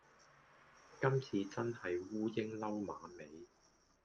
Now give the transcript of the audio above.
今次真係烏蠅褸馬尾